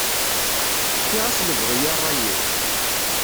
Fkiɣ-as lebɣi i ṛṛay-iw.